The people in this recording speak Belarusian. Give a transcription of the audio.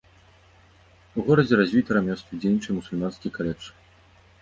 У горадзе развіты рамёствы, дзейнічае мусульманскі каледж.